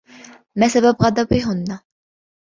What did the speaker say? ما سبب غضبهن؟